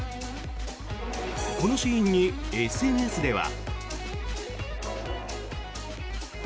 このシーンにＳＮＳでは。